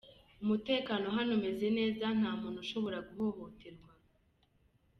Umutekano hano umeze neza, nta muntu ushobora guhohoterwa.